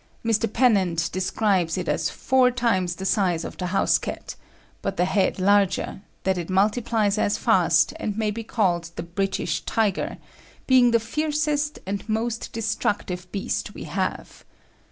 Mr. Pennant describes it as four times the size of the house cat, but the head larger, that it multiplies as fast, and may be called the British tiger, being the fiercest and most destructive beast we have.